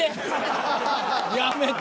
やめて。